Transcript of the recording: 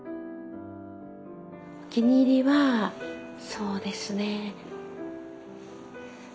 お気に入りはそうですね。